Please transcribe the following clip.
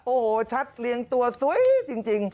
โอ้โหชัดเลี้ยงตัวสวยจริง